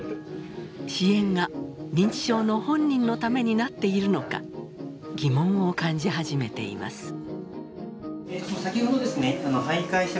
支援が認知症の本人のためになっているのか疑問を感じ始めています。